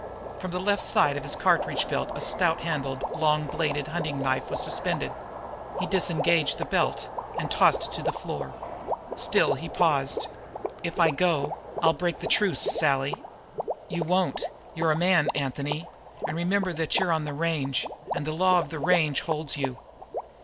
From the left side of his cartridge belt a stout handled, long bladed hunting knife was suspended. He disengaged the belt and tossed it to the floor. Still he paused. "If I go, I'll break the truce, Sally." "You won't; you're a man, Anthony; and remember that you're on the range, and the law of the range holds you."